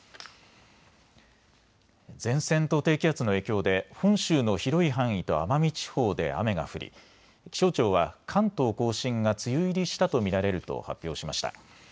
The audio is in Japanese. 前線と低気圧の影響で本州の広い範囲と奄美地方で雨が降り気象庁は関東甲信が梅雨入りしたと見られると発表しました。